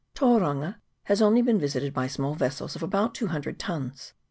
Tauranga has only been visited by small vessels of about two hundred tons.